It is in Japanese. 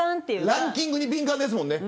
ランキングに敏感ですもんね。